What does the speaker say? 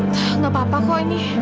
tidak apa apa kok ini